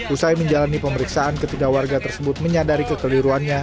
usai menjalani pemeriksaan ketiga warga tersebut menyadari kekeliruannya